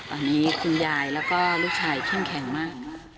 อันนี้คุณยายแล้วก็ลูกชายเข้มแข็งมาก